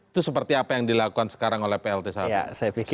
itu seperti apa yang dilakukan sekarang oleh plt saat ini